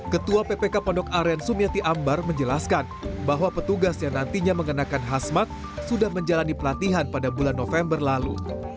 ketua ppk pondok aren sumiati ambar menjelaskan bahwa petugas yang nantinya mengenakan khasmat sudah menjalani pelatihan pada bulan november lalu